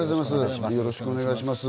よろしくお願いします。